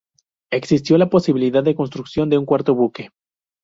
Existió la posibilidad de construcción de un cuarto buque.